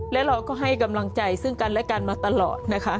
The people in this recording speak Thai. และเราก็ให้กำลังใจซึ่งกันและกันมาตลอดนะคะ